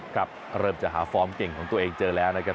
ครับเริ่มจะหาฟอร์มเก่งของตัวเองเจอแล้วนะครับ